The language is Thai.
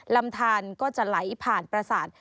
ลำทานก็จะไหลผ่านประสาท